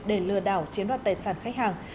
để lừa đảo chiến đoạt tài sản khách hàng